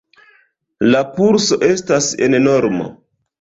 La pulso estas en normo.